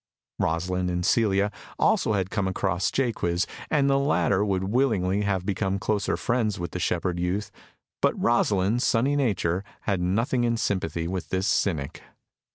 Rosalind and Celia, also, had come across Jaques, and the latter would willingly have become closer friends with the shepherd youth, but Rosalind's sunny nature had nothing in sympathy with this cynic.